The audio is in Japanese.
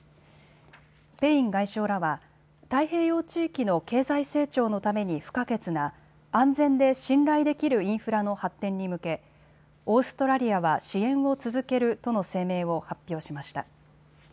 ペイン外相らは太平洋地域の経済成長のために不可欠な安全で信頼できるインフラの発展に向けオーストラリアは支援を続けるとの声明を発表しました。